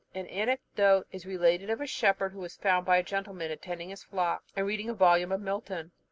An anecdote is related of a shepherd, who was found by a gentleman attending his flock, and reading a volume of Milton.